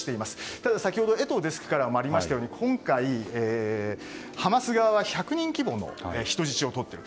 ただ先ほど江藤デスクからもありましたように今回、ハマス側は１００人規模の人質を取っている。